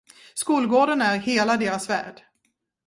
Skolgården är hela deras värld.